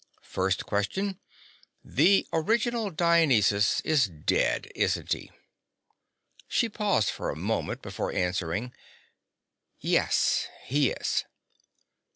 "First question. The original Dionysus is dead, isn't he?" She paused for a moment before answering. "Yes, he is."